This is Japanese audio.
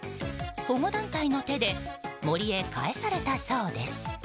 保護団体の手で森へ帰されたそうです。